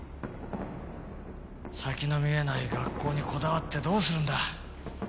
先の見えない学校にこだわってどうするんだ。